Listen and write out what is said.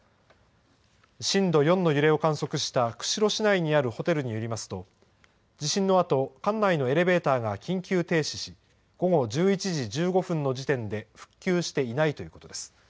震度４の揺れを観測した、釧路市内にあるホテルによりますと、地震の後、館内のエレベーターが緊急停止し、午後１１時１５分の時点で復旧していないということです。